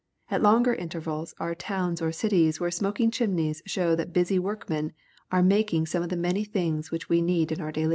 At longer intervals are towns or cities where smoking chimneys show that busy workmen are making some of the many things which we need in our daily life.